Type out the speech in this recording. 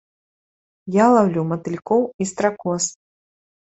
Я лаўлю матылькоў і стракоз.